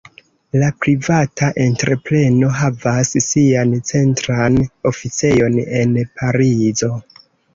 La privata entrepreno havas sian centran oficejon en Parizo.